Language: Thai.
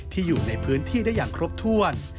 อยู่ในพื้นที่ได้อย่างครบถ้วน